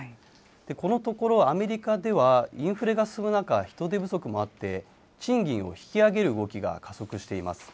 このところアメリカでは、インフレが進む中、人手不足もあって、賃金を引き上げる動きが加速しています。